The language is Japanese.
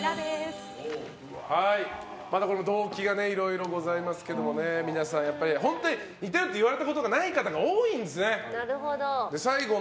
またこれも動機がいろいろございますけれども、皆さん本当に似ていると言われたことがない方多いんですね。